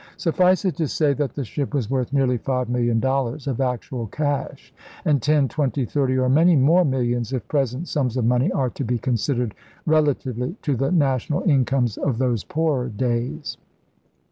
Suffice it to sav DRAKE CLIPS THE WINGS OF SPAIN 171 that the ship was worth nearly five million dollars of actual cash, and ten, twenty, thirty, or many more millions if present sums of money are to be considered relatively to the national incomes of those poorer days.